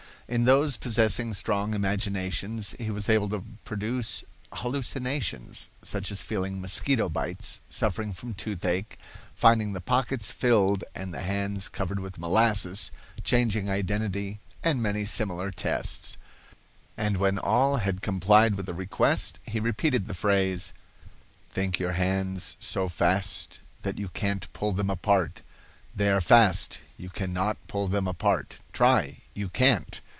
In those possessing strong imaginations, he was able to produce hallucinations, such as feeling mosquito bites, suffering from toothache, finding the pockets filled and the hands covered with molasses, changing identity, and many similar tests. The doctor now asked each one to clasp his hands in front of him, and when all had complied with the request, he repeated the phrase, "Think your hands so fast that you can't pull them apart. They are fast. You cannot pull them apart. Try. You can't."